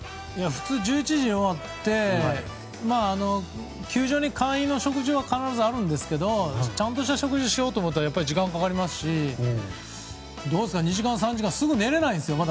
普通、１１時に終わって球場に簡易の食事は必ずあるんですけれどちゃんとした食事をしようとしたら時間もかかりますし２時間、３時間ってすぐ寝られないですよ。